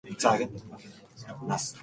海の向こうにぼんやりと灯りが見える。